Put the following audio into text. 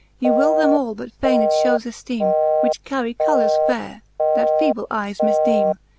Ye will them all but fayned fhowes efteeme, Which carry colours faire, and feeble eries mifdeeme.